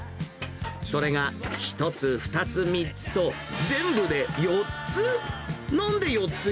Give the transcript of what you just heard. それが１つ、２つ、３つと、全部で４つ？